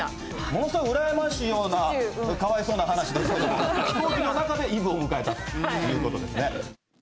ものすごい羨ましいような、かわいそうな話ですけど、飛行機の中でイブを迎えたということですね。